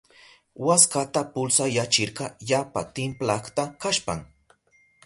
Waskata pulsayachirka yapa timplakta kashpan.